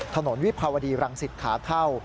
ถนนวิภาวดีรังศิษย์ขาเข้า